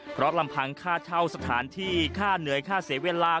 เพราะลำพังค่าเช่าสถานที่ค่าเหนื่อยค่าเสียเวลา